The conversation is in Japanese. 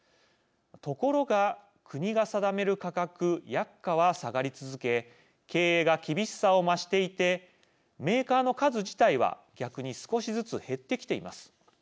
ところが国が定める価格＝薬価は下がり続け経営が厳しさを増していてメーカーの数自体は逆に少しずつ減ってきています。